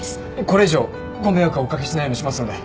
これ以上ご迷惑はお掛けしないようにしますので。